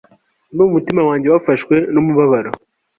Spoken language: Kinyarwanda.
ndumva umutima wanjye wafashwe numubabaro